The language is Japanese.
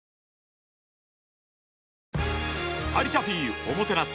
「有田Ｐおもてなす」。